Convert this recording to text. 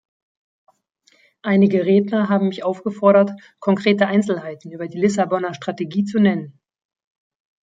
Einige Redner haben mich aufgefordert, konkrete Einzelheiten über die Lissabonner Strategie zu nennen.